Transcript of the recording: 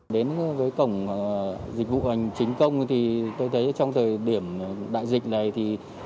đến với cổng dịch vụ hành chính công thì tôi thấy trong thời điểm đại dịch này